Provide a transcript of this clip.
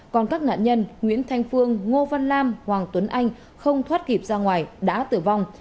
còn các nạn nhân nguyễn thanh phương ngô văn lam hoàng tuấn anh không thoát kịp ra ngoài đã tử vong